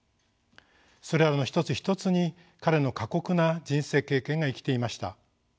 それらの一つ一つに彼の過酷な人生経験が生きていました。